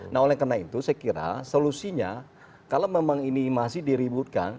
nah oleh karena itu saya kira solusinya kalau memang ini masih diributkan